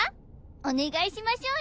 お願いしましょうよ。